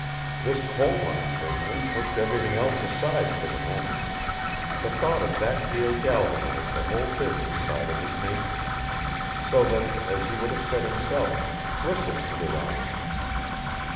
This coal mine business pushed everything else aside for the moment; the thought of that deal galvanized the whole business side of his nature, so that, as he would have said himself, bristles stood on it.